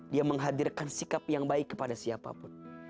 dia menghadirkan sikap yang baik kepada siapapun